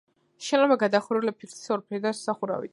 შენობა გადახურულია ფიქლის ორფერდა სახურავით.